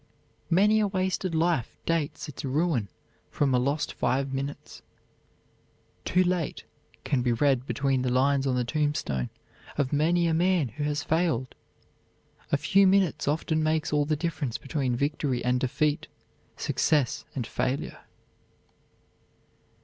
Many a wasted life dates its ruin from a lost five minutes. "Too late" can be read between the lines on the tombstone of many a man who has failed. A few minutes often makes all the difference between victory and defeat, success and failure.